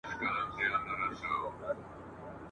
له ازله پیدا کړي خدای پمن یو !.